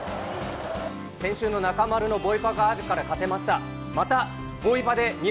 先週の中丸のボイパがあるから勝てました。